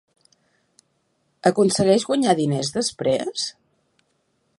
Aconsegueix guanyar diners després?